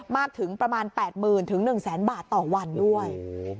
มากถึงประมาณแปดหมื่นถึงหนึ่งแสนบาทต่อวันด้วยโอ้โห